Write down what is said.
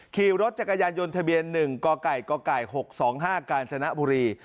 ขี่รถจักรยานยนต์ทะเบียน๑กก๖๒๕กาญจนบุรี